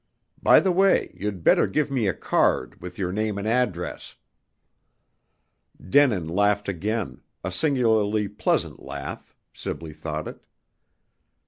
By the way, you'd better give me a card with your name and address." Denin laughed again, a singularly pleasant laugh, Sibley thought it.